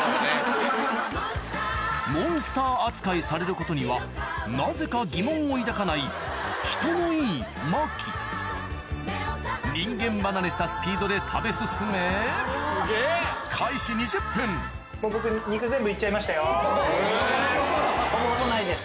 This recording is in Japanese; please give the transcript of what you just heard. モンスター扱いされることにはなぜか疑問を抱かない人のいい巻人間離れしたスピードで食べ進めほぼほぼないです。